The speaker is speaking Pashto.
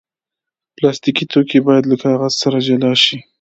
پلاستيکي توکي باید له کاغذ سره جلا شي.